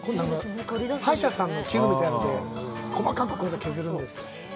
歯医者さんの器具みたいに細かく削るんです。